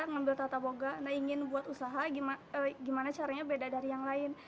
ngambil tata boga nah ingin buat usaha gimana caranya beda dari yang lain